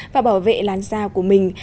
và bảo vệ làn da của mình